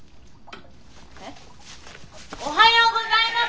えっ？おはようございます！